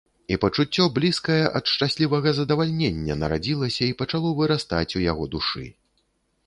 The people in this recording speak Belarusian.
І пачуццё, блізкае ад шчаслівага задавалення, нарадзілася і пачало вырастаць у яго душы.